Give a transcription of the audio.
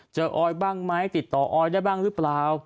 ออยบ้างไหมติดต่อออยได้บ้างหรือเปล่า